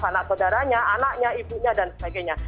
anak saudaranya anaknya ibunya dan sebagainya